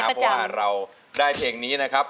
เพราะว่าเราได้เพลงนี้นะครับ